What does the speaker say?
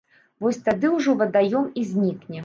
Вось тады ўжо вадаём і знікне.